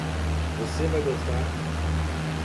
Você vai gostar